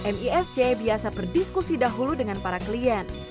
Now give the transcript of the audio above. misc biasa berdiskusi dahulu dengan para klien